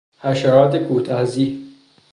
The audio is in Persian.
حشرات کوتهزی